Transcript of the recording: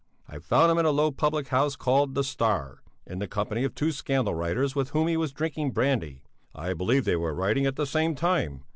I found him in a low public house called "The Star," in the company of two scandal writers with whom he was drinking brandy I believe they were writing at the same time.